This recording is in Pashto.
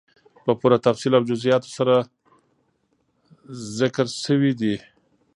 په پوره تفصيل او جزئياتو سره ذکر سوي دي،